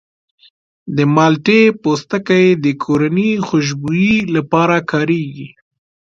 د مالټې پوستکی د کورني خوشبویي لپاره کارېږي.